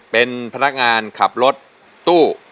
เป็นพนักงานขับรถตู้